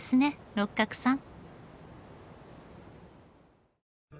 六角さん。